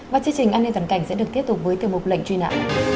bản chương trình an ninh toàn cảnh sẽ được kết thúc với tiểu mục lệnh truy nã